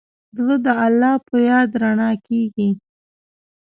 زړه د الله په یاد رڼا کېږي.